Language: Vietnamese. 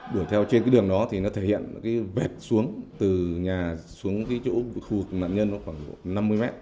đuổi theo trên cái đường đó thì nó thể hiện cái vẹt xuống từ nhà xuống cái chỗ khu nạn nhân nó khoảng năm mươi mét